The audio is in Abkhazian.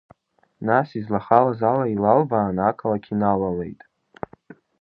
Нас излахалаз ала илалбаан ақалақь иналалеит.